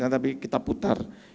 tapi kita putar